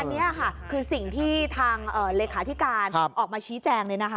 อันนี้ค่ะคือสิ่งที่ทางเลขาธิการออกมาชี้แจงเลยนะคะ